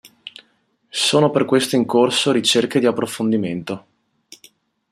Sono per questo in corso ricerche di approfondimento.